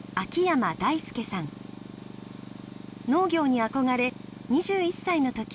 農業に憧れ２１歳のとき